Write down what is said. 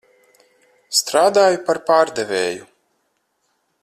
Strādāju par pārdevēju.